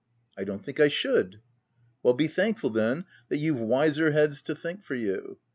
" I don't think I should." " Well, be thankful, then, that you've wiser heads to think for you.